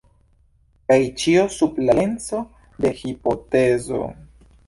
Kaj ĉio sub la lenso de hipotezo.